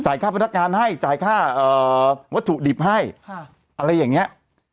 จ่ายค่าพนักงานให้จ่ายค่าเอ่อวัตถุดิบให้ค่ะอะไรอย่างเงี้ย